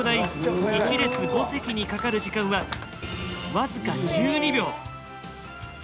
１列５席にかかる時間は僅か１２秒。